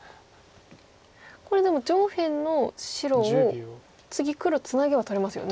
これでも上辺の白を次黒ツナげば取れますよね。